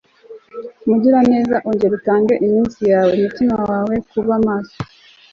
Mugiraneza ongera utange iminsi yawe umutima wawe kuba maso